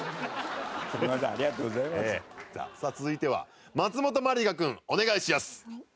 さあ続いては松本まりか君お願いしやす！